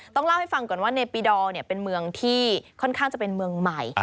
ต้องเล่าให้ฟังก่อนว่าในปีดอลเป็นเมืองที่ค่อนข้างจะเป็นเมืองใหม่